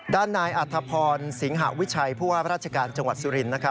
ด้านนายอัธพรสิงหวิชัยผู้ว่าราชการจังหวัดสุรินทร์